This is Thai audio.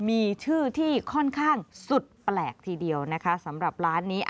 มีชื่อที่ค่อนข้างสุดแปลกทีเดียวนะคะสำหรับร้านนี้